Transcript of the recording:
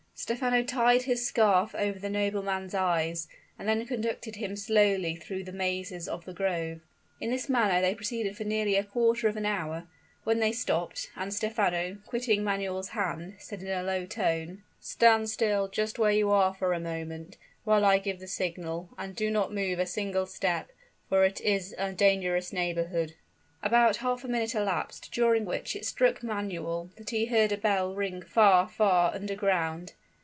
Stephano tied his scarf over the nobleman's eyes, and then conducted him slowly through the mazes of the grove. In this manner they proceeded for nearly a quarter of an hour, when they stopped, and Stephano, quitting Manuel's hand, said in a low tone, "Stand still just where you are for a moment, while I give the signal, and do not move a single step for it is a dangerous neighborhood." About half a minute elapsed, during which it struck Manuel that he heard a bell ring far far under ground.